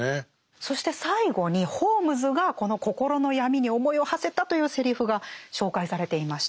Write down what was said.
そして最後にホームズがこの心の闇に思いをはせたというセリフが紹介されていました。